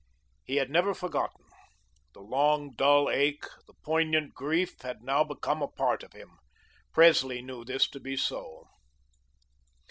He had never forgotten. The long, dull ache, the poignant grief had now become a part of him. Presley knew this to be so.